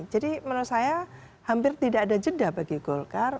jadi menurut saya hampir tidak ada jeda bagi golkar